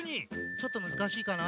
ちょっとむずかしいかな。